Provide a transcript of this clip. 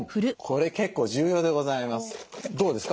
これ結構重要でございます。